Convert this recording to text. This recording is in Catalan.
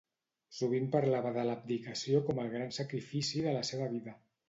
Sovint parlava de l'abdicació com el gran sacrifici de la seva vida.